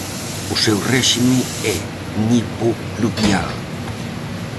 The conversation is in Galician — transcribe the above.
O seu réxime é nivopluvial.